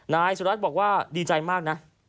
นายสุรัตน์บอกว่าดีใจมากนะ